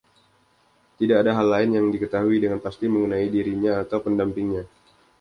Tidak ada hal lain yang diketahui dengan pasti mengenai dirinya atau pendampingnya.